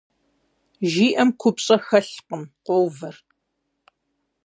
Жиӏэм купщӏэ хэлъкъым, къовэр.